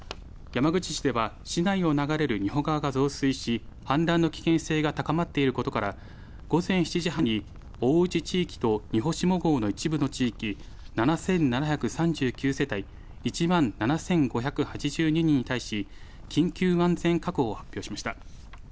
山口市では市内を流れる仁保川が増水し氾濫の危険性が高まっていることから午前７時半に大内地域と仁保下郷の一部の地域７７３９世帯１万７５８２人に対し緊急安全確保を発表しました。